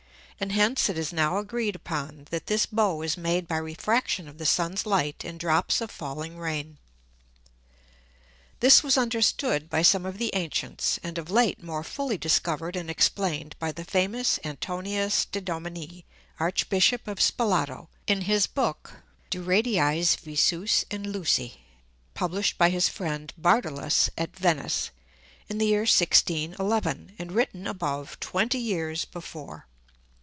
And hence it is now agreed upon, that this Bow is made by Refraction of the Sun's Light in drops of falling Rain. This was understood by some of the Antients, and of late more fully discover'd and explain'd by the famous Antonius de Dominis Archbishop of Spalato, in his book De Radiis Visûs & Lucis, published by his Friend Bartolus at Venice, in the Year 1611, and written above 20 Years before.